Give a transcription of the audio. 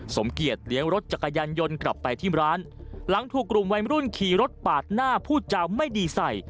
สมเกียจเลี้ยงรถจักรยานยนต์กลับไปที่ร้านหลังถูกกลุ่มวัยมรุ่นขี่รถปาดหน้าพูดจาไม่ดีใส่